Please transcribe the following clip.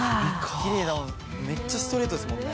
きれいだもんめっちゃストレートですもんね。